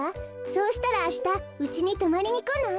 そうしたらあしたうちにとまりにこない？